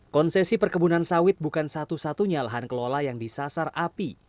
konsesi perkebunan sawit bukan satu satunya lahan kelola yang disasar api